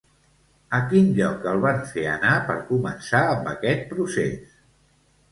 A quin lloc el van fer anar per començar amb aquest procés?